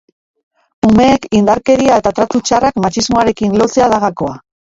Umeek indarkeria eta tratu txarrak matxismoarekin lotzea da gakoa.